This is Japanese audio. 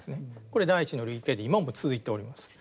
これ第一の類型で今も続いております。